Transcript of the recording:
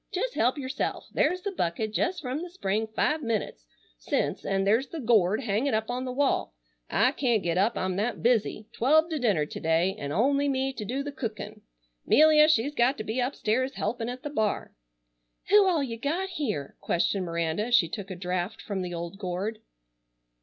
Jes' help yourself. There's the bucket jes' from the spring five minutes since, an' there's the gourd hanging up on the wall. I can't get up, I'm that busy. Twelve to dinner to day, an' only me to do the cookin'. 'Melia she's got to be upstairs helpin' at the bar." "Who all you got here?" questioned Miranda as she took a draught from the old gourd.